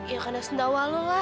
ya karena sendawa lo lah